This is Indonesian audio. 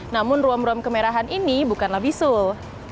namun rom rom kemerahan ini bukanlah bisul